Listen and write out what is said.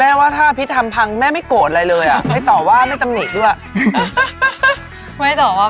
แม่ว่าถ้าอภิตทำพังแม่ไม่โกรธอะไรเลยอะ